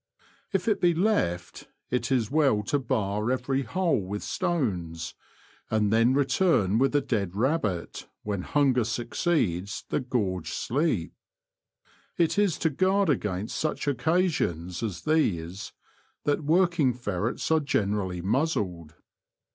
If it be left it is well to bar every hole with stones, and then return with a dead rabbit when hunger succeeds the gorged sleep. It is to guard against such occasions as these that working ferrets are generally muzzled.